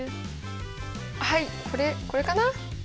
はいこれこれかな？